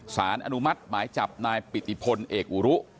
สารอนุมัติหมายจับนายปิติพลเอกอุรุ